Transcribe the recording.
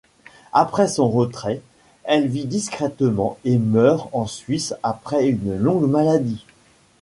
Après son retrait, elle vit discrètement et meurt en Suisse, après une longue maladie.